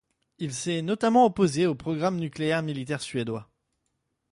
Il s'est notamment opposé au programme nucléaire militaire suédois.